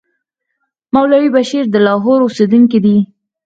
مولوي بشیر د لاهور اوسېدونکی دی.